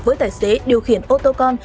với tài xế điều khiển ô tô con